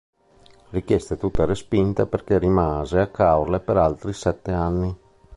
Richieste tutte respinte perché rimase a Caorle per altri sette anni.